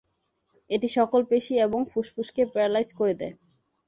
এটি সকল পেশি এবং ফুসফুসকে প্যারালাইজ করে দেয়।